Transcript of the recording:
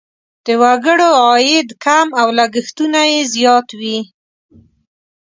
د وګړو عاید کم او لګښتونه یې زیات وي.